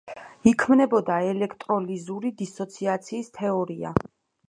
იქმნებოდა ელექტროლიზური დისოციაციის თეორია.